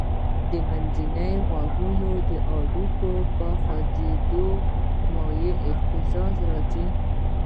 د منځني غوږ د هډوکو په خوځېدو مایع اهتزاز راځي.